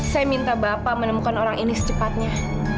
saya minta bapak menemukan orang ini secepatnya